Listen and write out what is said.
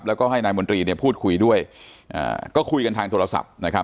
แล้วก็ให้นายมนตรีพูดคุยด้วยก็คุยกันทางโทรศัพท์